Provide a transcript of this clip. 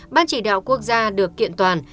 ban chỉ đạo quốc gia được kiện toàn